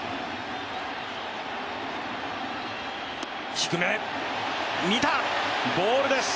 低め、見た、ボールです。